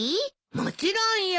もちろんよ。